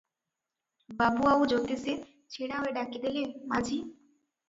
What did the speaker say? ବାବୁ ଆଉ ଜ୍ୟୋତିଷେ ଛିଡ଼ା ହୋଇ ଡାକିଦେଲେ, "ମାଝି!"